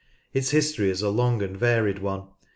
Its history is a long and varied one.